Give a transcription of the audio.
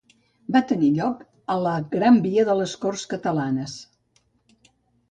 Va tenir lloc a la Gran Via de les Corts Catalanes.